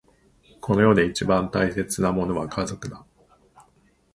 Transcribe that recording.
この世で一番大切なものは家族だ。